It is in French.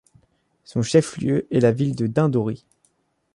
Son chef-lieu est la ville de Dindori.